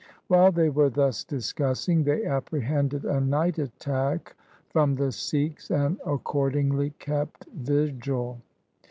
While they were thus discussing, they apprehended a night attack from the Sikhs, and accordingly kept vigil.